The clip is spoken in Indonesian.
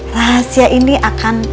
rahasia ini akan